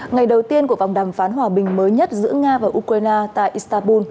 ngày đầu tiên của vòng đàm phán hòa bình mới nhất giữa nga và ukraine tại istanbul